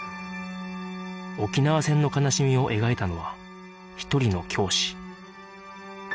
沖縄戦の悲しみを描いたのは一人の教師